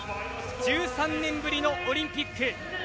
１３年ぶりのオリンピック。